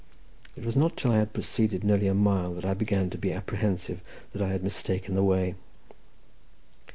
It was not till I had proceeded nearly a mile that I began to be apprehensive that I had mistaken the way.